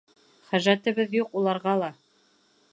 Хәжәтебеҙ юҡ уларға ла.